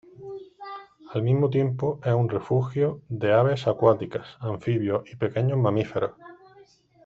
Al mismo tiempo es un refugio de aves acuáticas, anfibios y pequeños mamíferos.